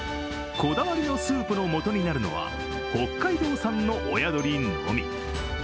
こだわりのスープのもとになるのは、北海道産の親鶏のみ。